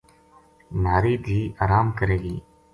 مھاری دِھی ارام کرے گی“